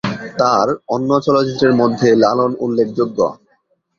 তার অন্য চলচ্চিত্রের মধ্যে লালন উল্লেখ্যযোগ্য।